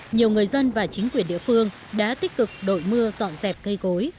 nhiều người dân và chính quyền địa phương đã tích cực đội mưa dọn dẹp cây cối